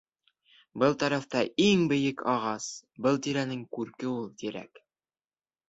Был тарафта иң бейек ағас, был тирәнең күрке ул тирәк.